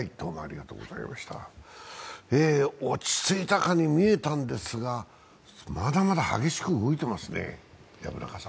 落ち着いたかにみえたんですが、まだまだ激しく動いていますね。